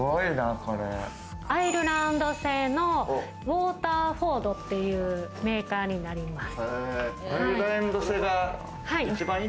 アイルランド製のウォーターフォードっていうメーカーになります。